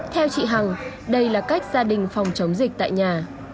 theo chị hằng đây là cách gia đình phòng chống dịch tại nhà